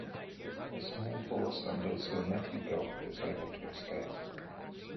A small force under Sir Matthew Gough was able to escape.